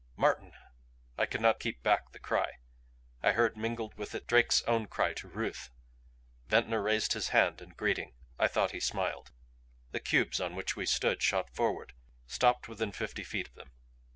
"Martin!" I could not keep back the cry; heard mingled with it Drake's own cry to Ruth. Ventnor raised his hand in greeting; I thought he smiled. The cubes on which we stood shot forward; stopped within fifty feet of them.